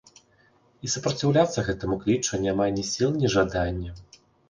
І супраціўляцца гэтаму клічу няма ні сіл, ні жадання.